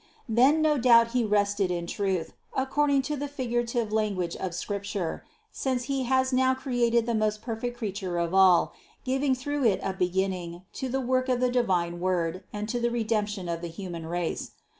Then no doubt He rested in truth, according to the figurative language of Scripture, since He has now created the most perfect Creature of all, giving through it a be ginning to the work of the divine Word and to the Re demption of the human race.